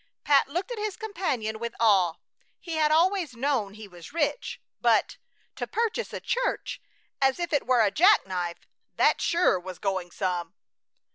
Pat looked at his companion with awe. He had always known he was rich, but to purchase a church as if it were a jack knife! That sure was going some!